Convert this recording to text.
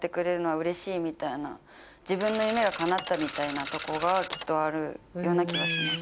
自分の夢がかなったみたいなとこがきっとあるような気はします。